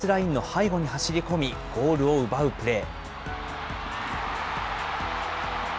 相手のディフェンスラインの背後に走り込み、ゴールを奪うプレー。